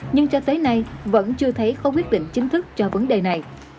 nhưng cho tới nay vẫn chưa thấy có quyết định chính thức cho vấn đề này